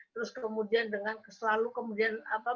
terus kemudian dengan selalu mengeluh